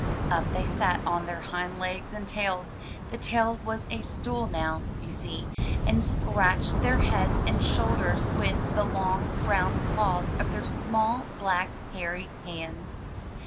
117 MY BOOK HOUSE Up they sat on their hind legs and tails — the tail was a stool now, you see — and scratched their heads and shoulders with the long, brown claws of their small, black, hairy hands.